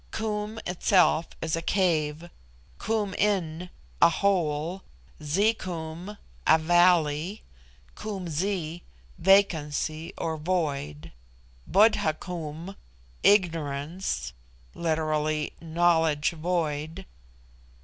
Koom itself is a cave; Koom in, a hole; Zi koom, a valley; Koom zi, vacancy or void; Bodh koom, ignorance (literally, knowledge void).